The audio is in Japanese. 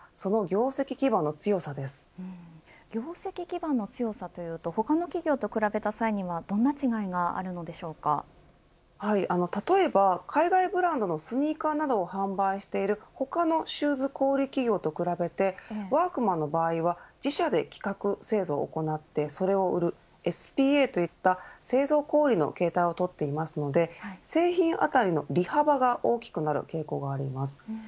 業績基盤の強さと言うと他の企業と比べた際には例えば、海外ブランドのスニーカーなどを販売している他のシューズ小売り企業と比べてワークマンの場合は自社で企画、製造を行ってそれを売る、ＳＰＡといった製造小売りの形態をとっていますので製品あたりの利幅が大きくなる傾向があります。